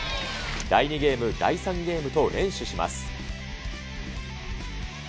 第２ゲーム、第３ゲームと連取します。